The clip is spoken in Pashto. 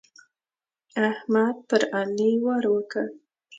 احمد پر علي وار وکړ.